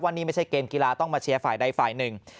นี่ไม่ใช่เกมกีฬาต้องมาเชียร์ฝ่ายใดฝ่ายหนึ่ง